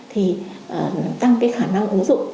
thì tăng cái khả năng ứng dụng